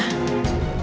mas al sudah siap